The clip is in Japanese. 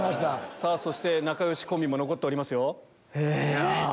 そして仲良しコンビも残っておりますよ。